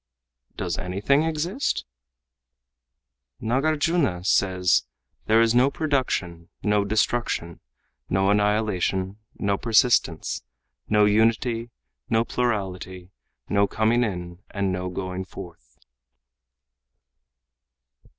"Does anything exist?" "Nâgârjuna says: 'There is no production, no destruction, no annihilation, no persistence, no unity, no plurality, no coming in and no going forth.